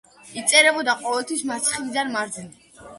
იწერებოდა ყოველთვის მარცხნიდან მარჯვნივ.